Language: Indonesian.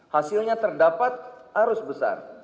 hasilnya terdapat arus besar